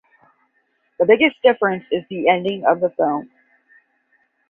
The biggest difference is the ending of the film.